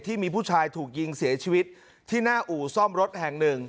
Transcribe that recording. ที่มีผู้ชายถูกยิงเสียชีวิตที่หน้าอู่ซ่อมรถแห่งหนึ่ง